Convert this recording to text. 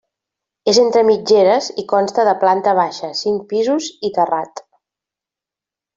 És entre mitgeres i consta de planta baixa, cinc pisos i terrat.